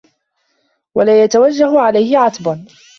وَلَا يَتَوَجَّهُ عَلَيْهِ عَتْبٌ